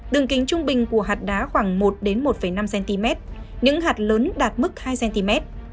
đường kính trung bình của hạt đá khoảng một một năm cm những hạt lớn đạt mức hai cm